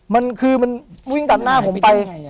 มันคือมันวิ่งตัดหน้าผมไป